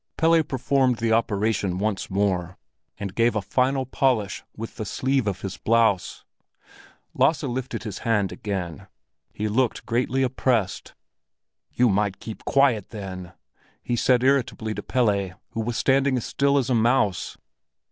Pelle performed the operation once more, and gave a final polish with the sleeve of his blouse. Lasse lifted his hand again; he looked greatly oppressed. "You might keep quiet then!" he said irritably to Pelle, who was standing as still as a mouse.